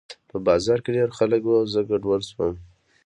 په بازار کې ډېر خلک وو او زه ګډوډ شوم